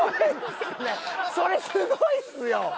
すごいっすね！